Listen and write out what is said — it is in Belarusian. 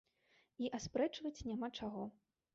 І аспрэчваць няма чаго.